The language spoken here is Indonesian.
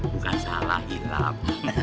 bukan salah ilham